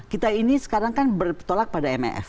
kita ini sekarang kan bertolak pada mef